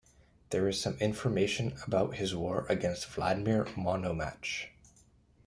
There is some information about his war against Vladimir Monomach.